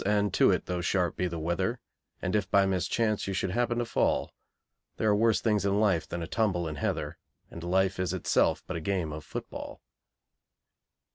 and to it though sharp be the weather, And if by mischance you should happen to fall, There are worse things in life than a tumble in heather, And life is itself but a game of football.